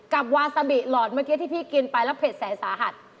กับวาซาบิหลอดเมื่อกี้ที่พี่กินไปแล้วเผ็ดแสนสาหัส